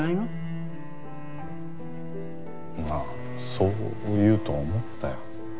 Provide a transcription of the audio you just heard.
まあそう言うと思ったよ。